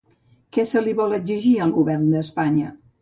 Què se li vol exigir al govern d'Espanya?